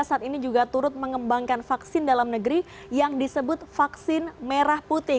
saat ini juga turut mengembangkan vaksin dalam negeri yang disebut vaksin merah putih